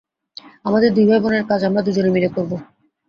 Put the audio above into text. আমাদের দুই ভাইবোনের কাজ আমরা দুজনে মিলে করব।